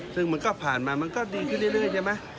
ซึ่งมันก็ผ่านมามันก็ดีขึ้นเรื่อยใช่ไหม